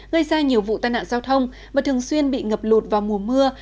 gây ra nhiều vụ tai nạn giao thông mà thường xuyên bị ngập lột vào mùa mưa